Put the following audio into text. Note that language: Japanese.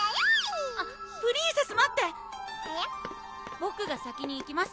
ボクが先に行きます